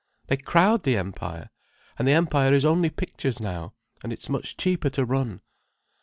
They crowd the Empire—and the Empire is only pictures now; and it's much cheaper to run."